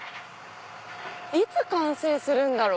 いつ完成するんだろう。